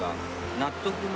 納得の。